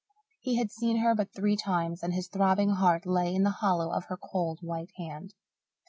He had seen her but three times and his throbbing heart lay in the hollow of her cold white hand.